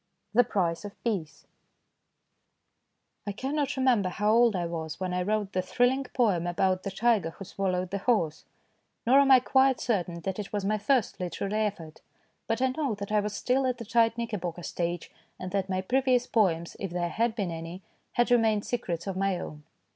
THE PRICE OF PEACE I CANNOT remember how old I was when I wrote the thrilling poem about the tiger who swallowed the horse, nor am I quite certain that it was my first literary effort, but I know that I was still at the tight knickerbocker stage, and that my previous poems, if there had been any, had remained secrets of my own.